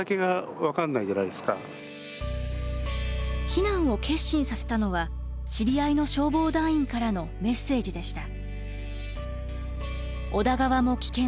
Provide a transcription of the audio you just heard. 避難を決心させたのは知り合いの消防団員からのメッセージでした。